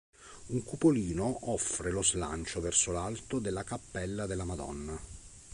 Un cupolino offre lo slancio verso l'alto della cappella della Madonna.